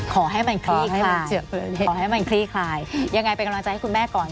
ขอให้มันคลี่คลายอย่างไรเป็นกำลังใจให้คุณแม่ก่อน